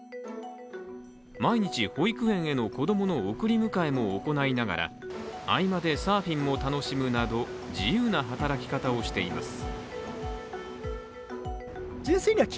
毎日、保育園への子供の送り迎えも行いながら合間でサーフィンも楽しむなど自由な働き方をしています。